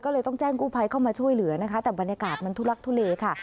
ก็เลยต้องแจ้งกู้ภัยเข้ามาช่วยเหลือนะคะแต่บรรยากาศมันทุลักทุเลค่ะ